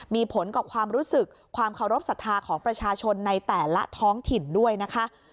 มีผลกับความรู้สึกความเคารพสัทธาของประชาชนในแต่ละท้องถิ่นด้วยนะคะ